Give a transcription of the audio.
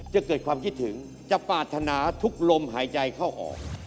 จะเกิดความคิดถึงจะปรารถนาทุกลมหายใจเข้าออก